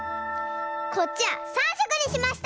こっちは３しょくにしました！